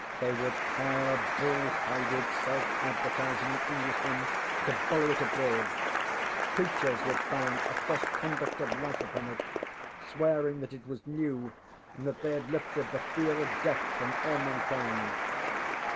They would hire bull hided self advertising Englishmen to bellow it abroad. Preachers would found a fresh conduct of life upon it, swearing that it was new and that they had lifted the fear of death from all mankind.